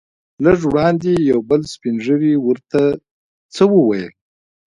لږ وړاندې یو بل سپین ږیری ورته څه وویل.